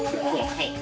はい。